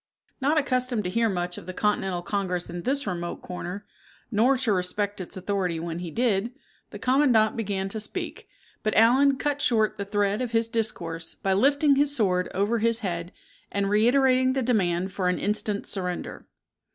Not accustomed to hear much of the Continental Congress in this remote corner, nor to respect its authority when he did, the commandant began to speak; but Allen cat shore the thread of his discourse by lifting his sword over his head, and reiterating the demand for an instant surrender.